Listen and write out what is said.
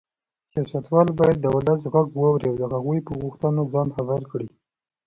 سیاستوال باید د ولس غږ واوري او د هغوی په غوښتنو ځان خبر کړي.